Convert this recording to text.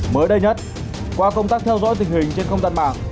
mới đây nhất qua công tác theo dõi tình hình trên không gian mạng